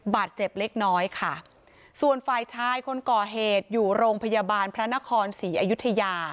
บาดเจ็บเล็กน้อยค่ะส่วนฝ่ายชายคนก่อเหตุอยู่โรงพยาบาลพระนครศรีอยุธยา